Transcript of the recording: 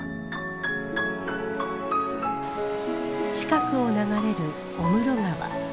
近くを流れる御室川。